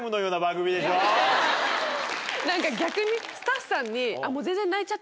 逆にスタッフさんに。